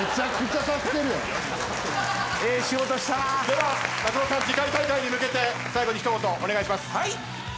では松本さん次回大会に向けて最後に一言お願いします。